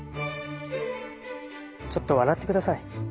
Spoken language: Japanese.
ちょっと笑って下さい。